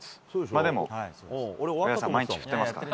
まあでも、毎日振ってますから。